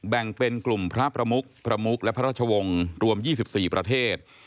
แบ่งเป็นกลุ่มพระประมุกประมุกและพระราชวงศ์รวม๒๔ประเทศ